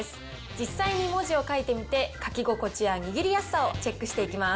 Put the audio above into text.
実際に文字を書いてみて、書き心地や握りやすさをチェックしていきます。